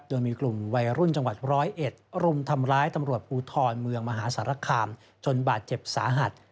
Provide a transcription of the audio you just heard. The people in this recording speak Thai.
โดยมีกลุ่มวัยรุ่นจังหวัดร้อยเอ็ดรุมทำร้ายตำรวจภูทรเมืองมหาสารคามจนบาดเจ็บสาหัส